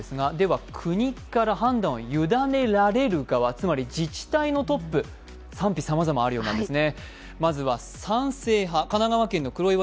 は国から判断を委ねられる側、つまり自治体のトップ賛否、さまざまあるようなんです。